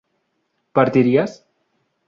¿partirías?